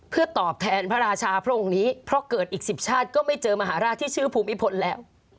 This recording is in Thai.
เพื่อตอบแทนพระราชาพระองค์นี้เพราะเกิดอีก๑๐ชาติก็ไม่เจอมหาราชที่ชื่อภูมิพลแล้ว